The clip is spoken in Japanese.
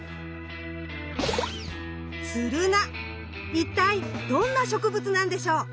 一体どんな植物なんでしょう？